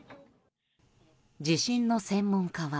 地震の専門家は。